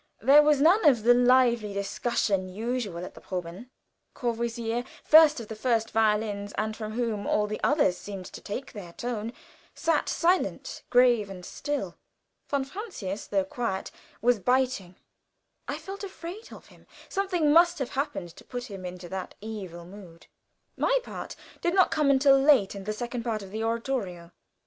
There was none of the lively discussion usual at the proben. Courvoisier, first of the first violins, and from whom all the others seemed to take their tone, sat silent, grave and still. Von Francius, though quiet, was biting. I felt afraid of him. Something must have happened to put him into that evil mood. My part did not come until late in the second part of the oratorio.